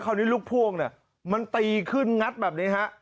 คราวนี้ลูกพ่วงเนี้ยมันตีขึ้นงัดแบบนี้ฮะ